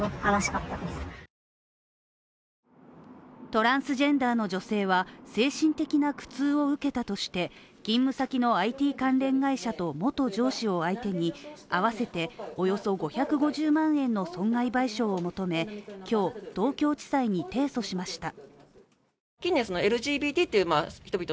トランスジェンダーの女性は精神的な苦痛を受けたとして、勤務先のＩＴ関連会社と元上司を相手に合わせておよそ５５０万円の損害賠償を求め、今日、東京地裁に提訴しました。